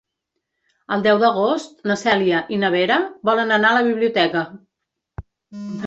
El deu d'agost na Cèlia i na Vera volen anar a la biblioteca.